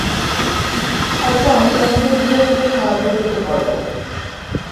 হয়তো আমি তোমাকে ভুলে যেতে সাহায্য করতে পারব।